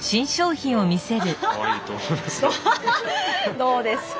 どうですか？